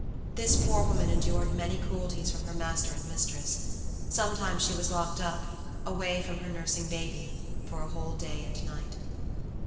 This poor woman endured many cruelties from her master and mistress; sometimes she was locked up, away from her nursing baby, for a whole day and night.